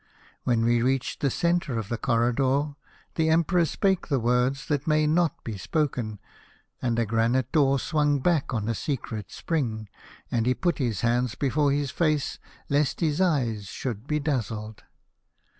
When we reached the centre of the corridor the Emperor spake the word that may not be spoken, and a granite door swung back on a secret spring, and he put his hands before his face lest his eyes should be dazzled.